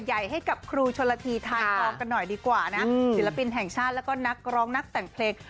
ใหญ่ให้กับครูชนละทีทานทองกันหน่อยดีกว่านะศิลปินแห่งชาติแล้วก็นักร้องนักแต่งเพลง